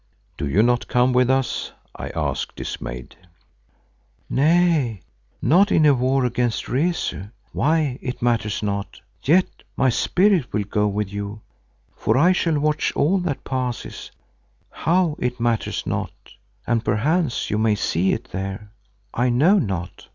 "Do you not come with us?" I asked, dismayed. "Nay, not in a war against Rezu, why it matters not. Yet my Spirit will go with you, for I shall watch all that passes, how it matters not and perchance you may see it there—I know not.